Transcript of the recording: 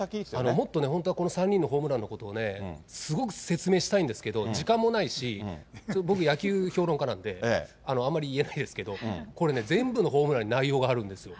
もっとこの３人のホームランのことをね、すごく説明したいんですけど、時間もないし、僕、野球評論家なんで、あんまり言えないですけど、これね、全部のホームランに内容があるんですよ。